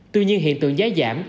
tuy nhiên hiện tượng giá giảm